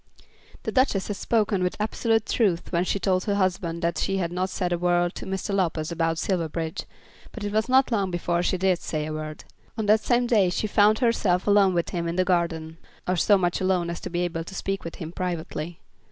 The Duchess had spoken with absolute truth when she told her husband that she had not said a word to Mr. Lopez about Silverbridge, but it was not long before she did say a word. On that same day she found herself alone with him in the garden, or so much alone as to be able to speak with him privately.